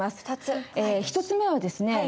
１つ目はですね